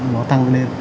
nó tăng lên